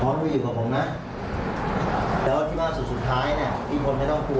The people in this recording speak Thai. อยู่ที่นั่นเยอะว่าตอนรับพิษภที่อยู่แล้ว